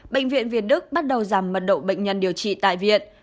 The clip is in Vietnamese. bệnh viện việt đức bắt đầu giảm mật độ bệnh nhân điều trị tại viện